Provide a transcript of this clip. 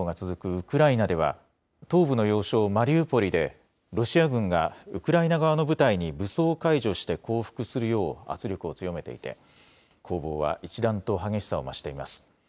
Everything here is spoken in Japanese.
ウクライナでは東部の要衝マリウポリでロシア軍がウクライナ側の部隊に武装解除して降伏するよう圧力を強めていて攻防は一段と激しさを増しています。